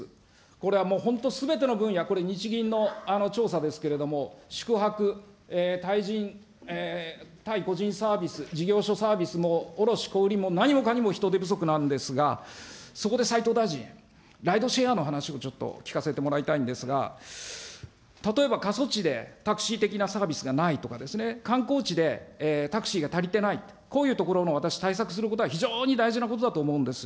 これはもう本当にすべての分野、これ日銀の調査ですけれども、宿泊、対人、対個人サービス、事業所サービスも、卸小売りも何もかも人手不足なんですが、そこで斉藤大臣、ライドシェアの話をちょっと聞かせてもらいたいんですが、例えば過疎地でタクシー的なサービスがないとかですね、観光地で、タクシーが足りてない、こういうところの私、対策することは非常に大事なことだと思うんです。